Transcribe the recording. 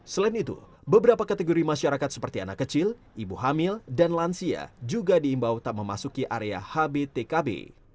selain itu beberapa kategori masyarakat seperti anak kecil ibu hamil dan lansia juga diimbau tak memasuki area hbtkb